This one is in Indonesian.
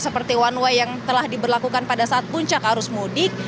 seperti one way yang telah diberlakukan pada saat puncak arus mudik